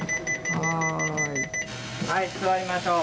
はい座りましょう。